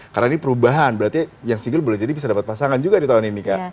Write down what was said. karena ini perubahan berarti yang single boleh jadi bisa dapat pasangan juga di tahun ini kak